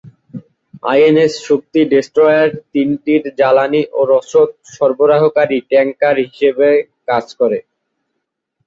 INS "Shakti" destroyer তিনটির জ্বালানি ও রসদ সরবরাহকারী ট্যাঙ্কার হিসাবে কাজ করে।